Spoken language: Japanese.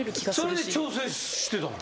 それで調整してたの？